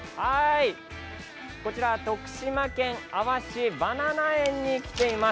こちら徳島県阿波市バナナ園に来ています。